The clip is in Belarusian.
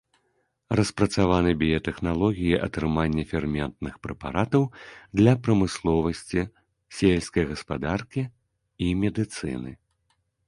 Распрацаваны біятэхналогіі атрымання ферментных прэпаратаў для прамысловасці, сельскай гаспадаркі і медыцыны.